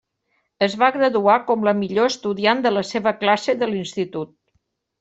Es va graduar com la millor estudiant de la seva classe de l'institut.